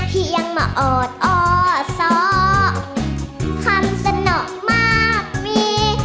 ที่ยังมาอดอ้อสอคำสนอกมากมี